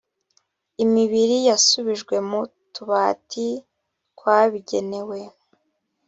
imibiri yasubijwe mu tubati twabigenewe